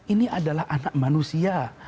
ini adalah anak manusia